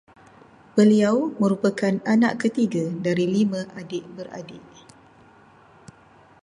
Beliau merupakan anak ketiga dari lima adik-beradik